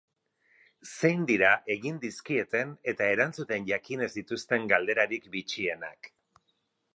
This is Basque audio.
Zein dira egin dizkieten eta erantzuten jakin ez dituzten galderarik bitxienak?